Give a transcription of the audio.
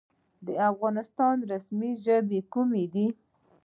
د افغانستان رسمي ژبې کومې دي؟